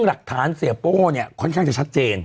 หลักฐานเสียโป้เนี่ยค่อนข้างจะชัดเจน